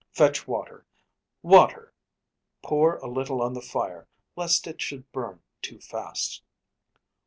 Fetch water! Water! Pour a little on The fire, lest it should burn too fast.